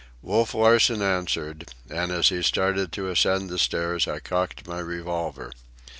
Wolf Larsen answered, and as he started to ascend the stairs I cocked my revolver.